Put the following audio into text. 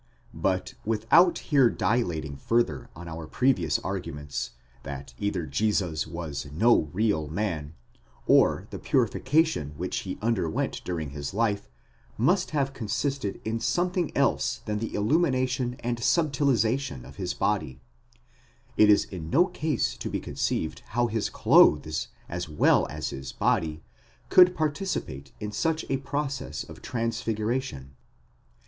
But without here dilating further on our previous arguments, that either Jesus was no real man, or the purification which he underwent during his life, must have consisted in something else than the illumination and subtilization of his body ; it is in no case to be conceived how his clothes, as well as his body, could participate in such a process of transfiguration.